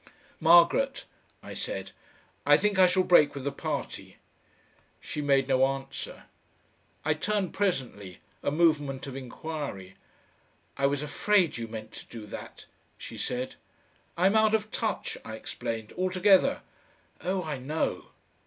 "Margaret," I said, "I think I shall break with the party." She made no answer. I turned presently, a movement of enquiry. "I was afraid you meant to do that," she said. "I'm out of touch," I explained. "Altogether." "Oh! I know."